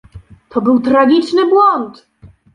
To był tragiczny błąd!